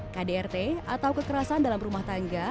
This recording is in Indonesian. kdrt atau kekerasan dalam rumah tangga